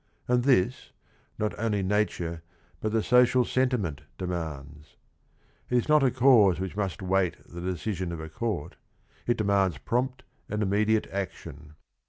And this, not only nature but .the social sentiment demands. It is not a cause which must wait the decision of a court. It de mands prompt and immediate action.